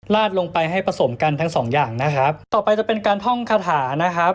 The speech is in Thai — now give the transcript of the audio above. ลงไปให้ผสมกันทั้งสองอย่างนะครับต่อไปจะเป็นการท่องคาถานะครับ